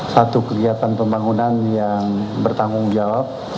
satu kegiatan pembangunan yang bertanggung jawab